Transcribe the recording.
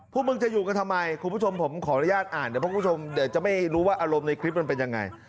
พวกมึงจะอยู่กันทำไมคุณผู้ชมผมขออนุญาตอ่านเดี๋ยวพวกคุณผู้ชมเดี๋ยวจะไม่รู้ว่าอารมณ์ในคลิปมันเป็นยังไง